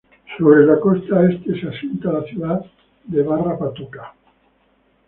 Sobre la costa este se asienta la ciudad de Barra Patuca.